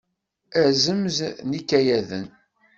Azemz n yikayaden.